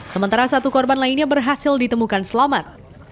sementara satu korban lainnya berhasil ditemukan selamat